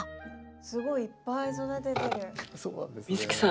すごいいっぱい育ててる。